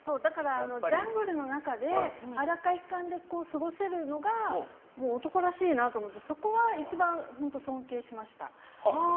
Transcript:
ジャングルの中で裸一貫で過ごせるのが男らしいなと思って、そこは一番本当に尊敬しました。